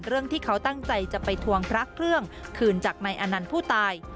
เรื่องที่เขาตั้งใจจะไปทวงพระเครื่องคืนจากนายอนันต์ผู้ตาย